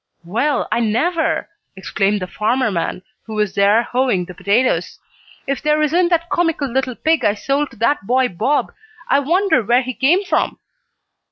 "Well, I never!" exclaimed the farmer man, who was there hoeing the potatoes. "If there isn't that comical little pig I sold to that boy Bob. I wonder where he came from?"